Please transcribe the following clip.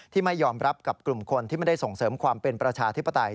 ไม่ยอมรับกับกลุ่มคนที่ไม่ได้ส่งเสริมความเป็นประชาธิปไตย